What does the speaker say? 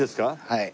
はい。